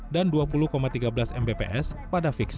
dan dua puluh tiga belas mbps untuk jaringan internet